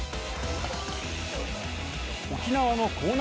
沖縄の興南